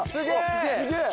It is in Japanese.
すげえ。